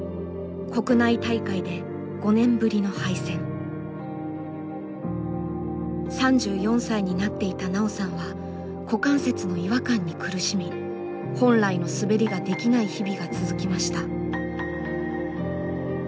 国内大会で３４歳になっていた奈緒さんは股関節の違和感に苦しみ本来の滑りができない日々が続きました。